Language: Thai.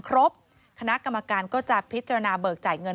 โปรดติดตามต่างกรรมโปรดติดตามต่างกรรม